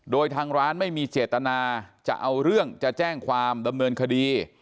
โดยทางร้านไม่มีเจตนาจะเอาเรื่องจะแจ้งความดำเนินคดี